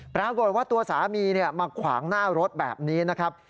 ปรากฏว่าตัวสามีมาขวางหน้ารถแบบนี้นะครับ